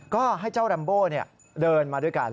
ก็ให้เจ้าแรมโบเดินมาด้วยกัน